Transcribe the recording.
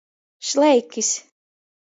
Šleikys.